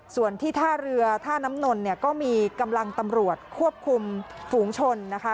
ส่วนที่ท่าเรือท่าน้ำนนเนี่ยก็มีกำลังตำรวจควบคุมฝูงชนนะคะ